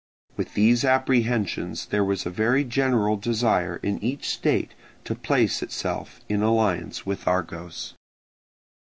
With these apprehensions there was a very general desire in each state to place itself in alliance with Argos.